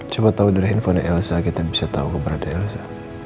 coba tau dulu handphonenya elsa kita bisa tau keberadaan elsa